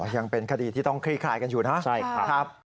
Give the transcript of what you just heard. ยังเป็นคติที่ต้องคลิกข่ายกันอยู่นะครับใช่ครับ